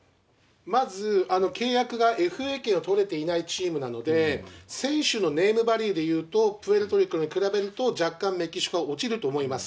まず契約がＦＡ権を取れていないチームなので、選手のネームバリューでいうとプエルトリコに比べると若干メキシコは落ちると思います。